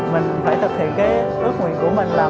mình phải thực hiện cái ước nguyện của mình là